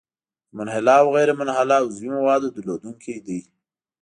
د منحله او غیرمنحله عضوي موادو درلودونکی دی.